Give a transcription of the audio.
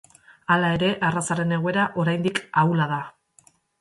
Hala ere arrazaren egoera oraindik ahula da.